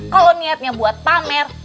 kalau niatnya buat pamer